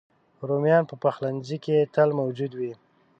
رومیان په پخلنځي کې تل موجود وي